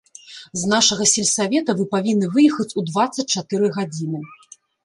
З нашага сельсавета вы павінны выехаць у дваццаць чатыры гадзіны.